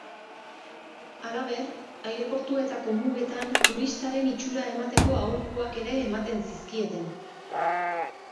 Halaber, aireportuetako mugetan turistaren itxura emateko aholkuak ere ematen zizkieten.